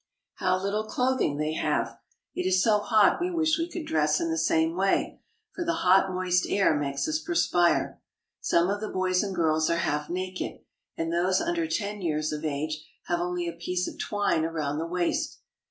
How little clothing they have! . It is so hot we wish we could dress in the same way, for the hot, moist air makes us perspire. Some of the boys and girls are half naked, and those under ten years of age have only a piece of twine around the waist.